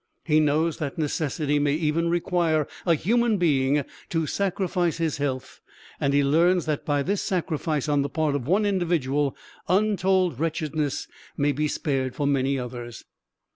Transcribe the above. He knows that necessity may even require a human being to sacrifice his health, and he learns that by this sacrifice on the part of one individual untold wretchedness may be spared for many others.